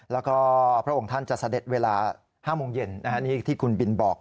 แล้วก็พระองค์ท่านจะเสด็จเวลา๕โมงเย็นนี่ที่คุณบินบอก